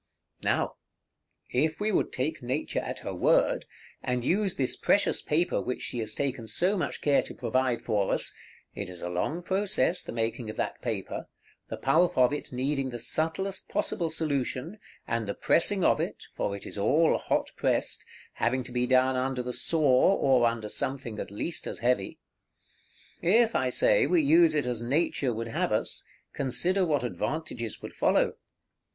§ XLII. Now, if we would take Nature at her word, and use this precious paper which she has taken so much care to provide for us (it is a long process, the making of that paper; the pulp of it needing the subtlest possible solution, and the pressing of it for it is all hot pressed having to be done under the saw, or under something at least as heavy); if, I say, we use it as Nature would have us, consider what advantages would follow.